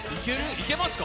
いけますか？